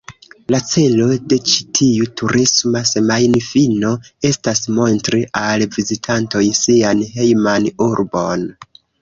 La celo de ĉi tiu turisma semajnfino estas montri al vizitantoj sian hejman urbon.